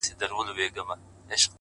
صبر د سختو وختونو توازن ساتي،